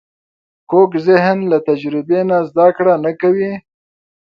کوږ ذهن له تجربې نه زده کړه نه کوي